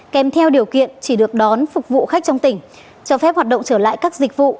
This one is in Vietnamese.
kèm theo điều kiện chỉ được đón phục vụ khách trong tỉnh cho phép hoạt động trở lại các dịch vụ